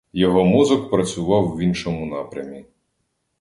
Його мозок працював в іншому напрямі.